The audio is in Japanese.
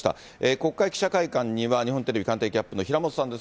国会記者会館には、日本テレビ官邸キャップの平本さんです。